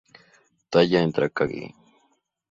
Taya entra y Cage.